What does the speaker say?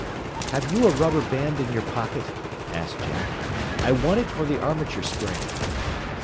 "Have you a rubber band in your pocket?" asked Jack. "I want it for the armature spring."